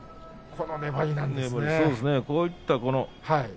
こういった。